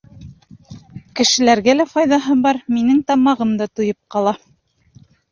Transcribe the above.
Кешеләргә лә файҙаһы бар, минең тамағым да туйып ҡала.